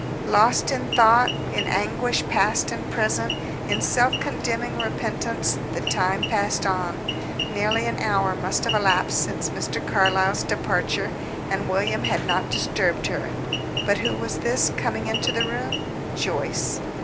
Lost in thought, in anguish past and present, in self condemning repentance, the time passed on. Nearly an hour must have elapsed since Mr. Carlyle's departure, and William had not disturbed her. But who was this, coming into the room? Joyce.